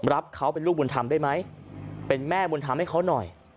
รับเขาเป็นลูกบุญธรรมได้ไหมเป็นแม่บุญธรรมให้เขาหน่อย